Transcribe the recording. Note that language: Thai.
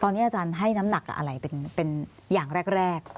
ตอนนี้อาจารย์ให้น้ำหนักอะไรเป็นอย่างแรก